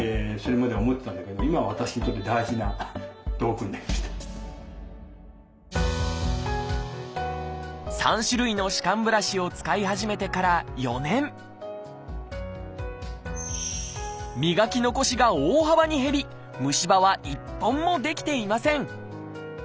詰まったら３種類の歯間ブラシを使い始めてから４年磨き残しが大幅に減り虫歯は一本も出来ていません